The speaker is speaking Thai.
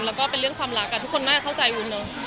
แล้วก็เป็นเรื่องความรักทุกคนน่าจะเข้าใจวุ้นเนอะ